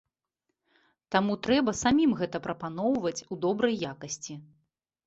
Таму трэба самім гэта прапаноўваць у добрай якасці.